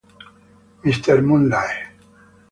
Mr. Moonlight